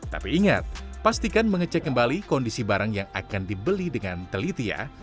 tapi ingat pastikan mengecek kembali kondisi barang yang akan dibeli dengan teliti ya